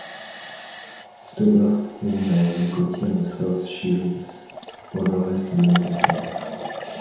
Stobart est née dans la ville côtière de South Shields, au nord-est de l'Angleterre.